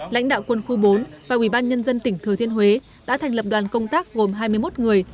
lãnh đạo quân khu bốn và ủy ban nhân dân tỉnh thừa thiên huế đã thành lập đoàn công tác gồm hai mươi một người